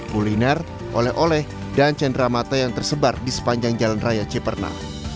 kuliner oleh oleh dan cendera mata yang tersebar di sepanjang jalan raya ciperna